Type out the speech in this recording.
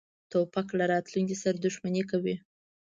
توپک له راتلونکې سره دښمني کوي.